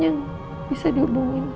yang bisa dihubungin